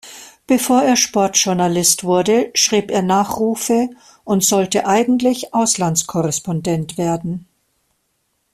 Bevor er Sportjournalist wurde, schrieb er Nachrufe und sollte eigentlich Auslandskorrespondent werden.